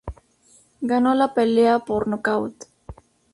Ganó la pelea por nocaut.